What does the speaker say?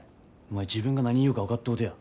お前自分が何言うか分かっとうとや。